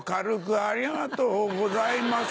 ありがとうございます。